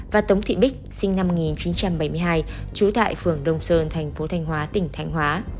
và tống thị bích sinh năm một nghìn chín trăm bảy mươi hai trú tại phường đông sơn thành phố thanh hóa tỉnh thanh hóa